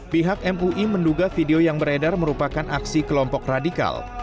pihak mui menduga video yang beredar merupakan aksi kelompok radikal